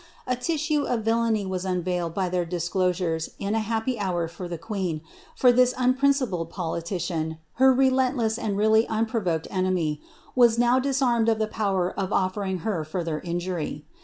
A tissue of villany was unveiled by their disclosures in a py hour for the queen, for this unprincipled politician, her relentless really unprovoked enemy, was now disarmed of the power of ofllering further injury.